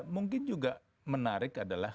mungkin juga menarik adalah